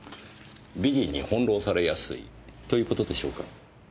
美人に翻弄されやすいという事でしょうか。